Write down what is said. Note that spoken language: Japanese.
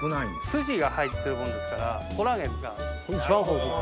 スジが入ってるもんですからコラーゲンが。